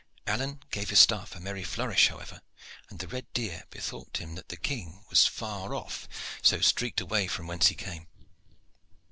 Alleyne gave his staff a merry flourish, however, and the red deer bethought him that the King was far off, so streaked away from whence he came.